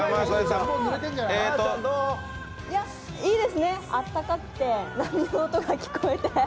いいですね、あったかくて波の音が聞こえて。